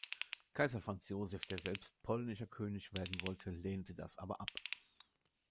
Kaiser Franz Joseph, der selbst polnischer König werden wollte, lehnte das aber ab.